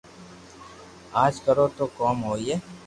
اج ڪرو تو ڪوم ھوئي